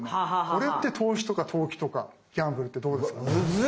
これって投資とか投機とかギャンブルってどうですか？